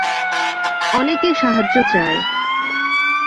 অনেকে সাহায্য চায়।